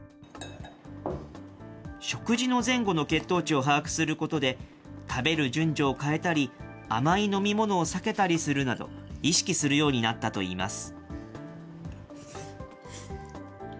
食事の前後の血糖値を把握することで、食べる順序を変えたり、甘い飲み物を避けたりするなど、意識するようになったといいます。